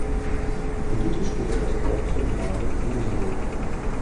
Politisch gehört das Dorf zur Gemeinde Brusio.